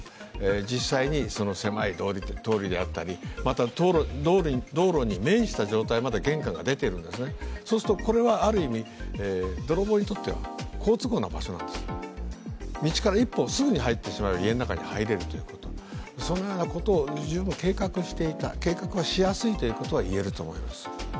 実際に狭い通りであったり、また道路に面した状態まで玄関が出てるんですね、そうするとこれはある意味、泥棒にとっては好都合な場所なんです、道から１本すぐに入ってしまえば家の中に入れるということ、そのようなことを十分計画していた、計画がしやすいということはいえると思います。